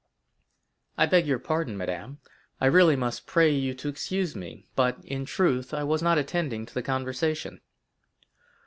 "I beg your pardon, madame. I really must pray you to excuse me, but—in truth—I was not attending to the conversation."